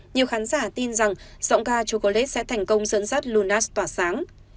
nhiều khán giả tin rằng giọng ca trukolet sẽ thành công dẫn dắt lunas tỏa sáng